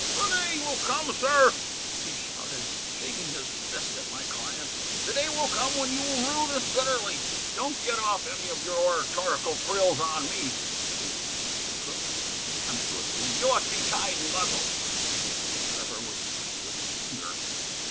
"The day will come, sir," he shouted, shaking his fist at my client, "the day will come when you will rue this bitterly." "Don't get off any of your oratorical frills on me," replied Mr. Cooke, contemptuously; "you ought to be tied and muzzled." Mr. Trevor was white with anger.